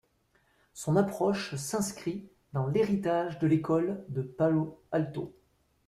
Son approche s'inscrit dans l'héritage de l'École de Palo-Alto.